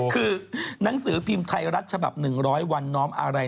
คือหนังสือพิมพ์ไทยรัฐฉบับ๑๐๐วันน้อมอะไร